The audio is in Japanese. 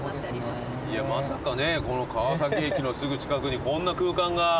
まさかねこの川崎駅のすぐ近くにこんな空間が。